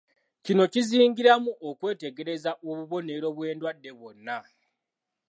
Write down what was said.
Kino kizingiramu okwetegereza obubonero bw'endwadde bwonna.